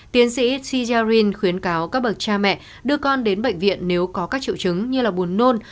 tiến sĩ shiren khuyến cáo các bậc cha mẹ đưa con đến bệnh viện nếu có các triệu chứng như là buồn nôn